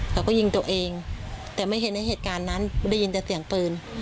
เขาก็ยิงตัวเองแต่ไม่เห็นในเหตุการณ์นั้นได้ยินแต่เสียงปืน